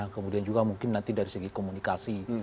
kemudian juga mungkin nanti dari segi komunikasi